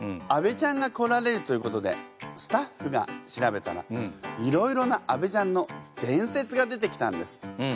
安倍ちゃんが来られるということでスタッフが調べたらいろいろな安倍ちゃんの伝説が出てきたんです。